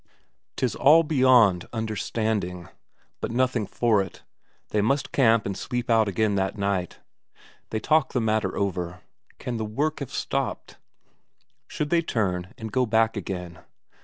'Tis all beyond understanding, but nothing for it; they must camp and sleep out again that night. They talk the matter over: Can the work have stopped? Should they turn and go back again?